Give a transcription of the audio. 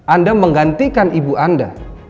anda menggantikan ibu anda